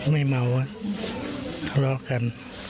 ไม่เมาทะเลาะกัน